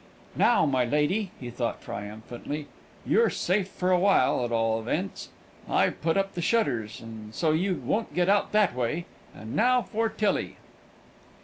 "Now, my lady," he thought triumphantly, "you're safe for awhile, at all events. I've put up the shutters, and so you won't get out that way. And now for Tillie!"